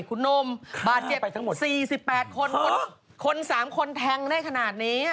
คุณโน้มบาดเจ็บ๔๘คนคน๓คนแทงได้ขนาดนี้